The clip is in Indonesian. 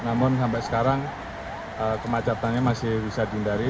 namun sampai sekarang kemacetannya masih bisa dihindari